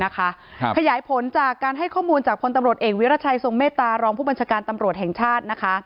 ขยายผลจากการให้ข้อมูลจากพลตำรวจเอกวิรัชัยทรงเมตตารองผู้บัญชาการตำรวจแห่งชาติ